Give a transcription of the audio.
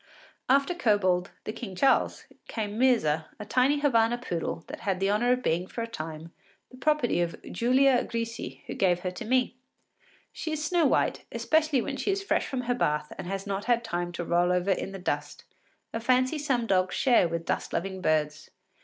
After Kobold, the King Charles, came Myrza, a tiny Havana poodle that had the honour of being for a time the property of Giulia Grisi, who gave her to me. She is snow white, especially when she is fresh from her bath and has not had time to roll over in the dust, a fancy some dogs share with dust loving birds.